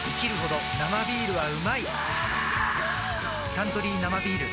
「サントリー生ビール」